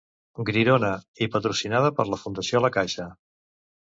Grirona, i patrocinada per la Fundació La Caixa.